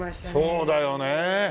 そうだよね。